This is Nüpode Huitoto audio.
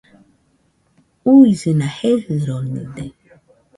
Uisɨna jejɨronide